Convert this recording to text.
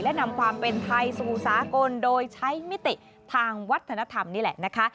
และนำความเป็นไทยสู่สากลโดยใช้มิติทางวัฒนธรรมนี่แหละนะคะ